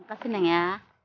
makasih neng ya